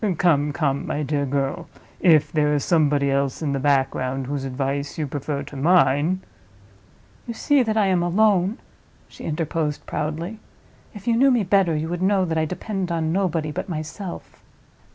Come, come, my dear girl! if there is somebody else in the background, whose advice you prefer to mine—" "You see that I am alone," she interposed, proudly. "If you knew me better, you would know that I depend on nobody but myself."